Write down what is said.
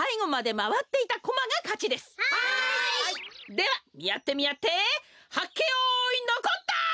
ではみあってみあってはっけよいのこった！